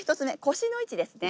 腰の位置ですね。